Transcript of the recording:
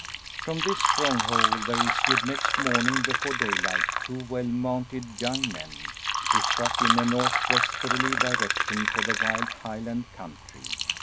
From this stronghold there issued next morning before daylight, two well mounted young men, who struck in a northwesterly direction for the wild Highland country.